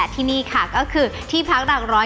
ที่นี่ค่ะก็คือที่พักหลักร้อย